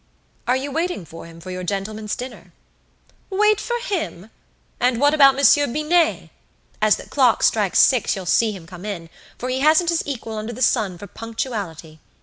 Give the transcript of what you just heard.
"Are you waiting for him for your gentlemen's dinner?" "Wait for him! And what about Monsieur Binet? As the clock strikes six you'll see him come in, for he hasn't his equal under the sun for punctuality.